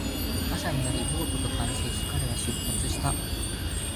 朝になり、ボートが完成し、彼は出発した